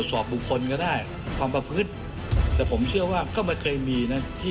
สนุนโดยน้ำดื่มสิง